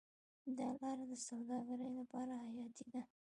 دا لاره د سوداګرۍ لپاره حیاتي ده.